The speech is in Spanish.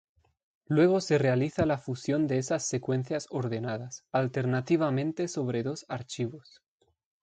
Luego se realiza la fusión de esas secuencias ordenadas, alternativamente sobre dos archivos.